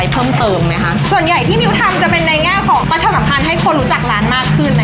เพราะว่าทุกคนรู้จักร้านมากขึ้น